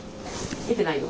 見てないよ私。